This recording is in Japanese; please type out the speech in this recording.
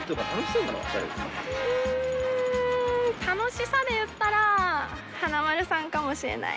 うん楽しさで言ったらかもしれない。